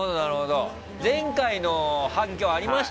前回の反響、ありました？